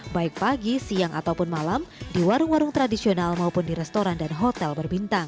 baik pagi siang ataupun malam di warung warung tradisional maupun di restoran dan hotel berbintang